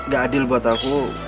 gak adil buat aku